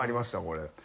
これ。